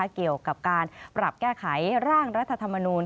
เกี่ยวกับการปรับแก้ไขร่างรัฐธรรมนูล